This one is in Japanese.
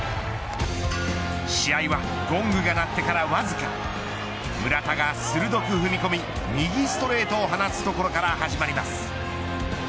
試合はゴングが鳴ってからわずか村田が鋭く踏み込み右ストレートを放つところから始まります。